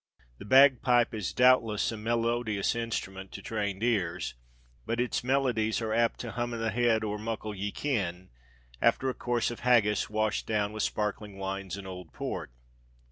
The bagpipe is doubtless a melodious instrument (to trained ears), but its melodies are apt to "hum i' th' head o'er muckle ye ken," after a course of haggis washed down with sparkling wines and old port.